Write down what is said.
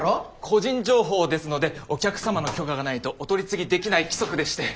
個人情報ですのでお客様の許可がないとお取り次ぎできない規則でして。